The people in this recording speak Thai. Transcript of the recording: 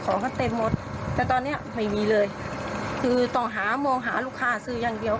ของเขาเต็มหมดแต่ตอนเนี้ยไม่มีเลยคือต้องหามองหาลูกค้าซื้ออย่างเดียว